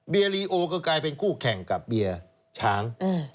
ลีโอก็กลายเป็นคู่แข่งกับเบียร์ช้าง